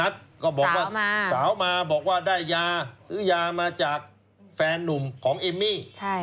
ก็บอกว่าสาวมาบอกว่าได้ยาซื้อยามาจากแฟนนุ่มของเอมมี่